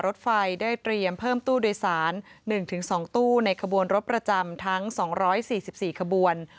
รถไฟได้เตรียมเพิ่มตู้โดยสาร๑๒ตู้ในขบวนรถประจำทั้ง๒๔๔ขบวน